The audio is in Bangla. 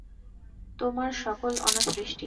তোমার সকল অনাসৃষ্টি।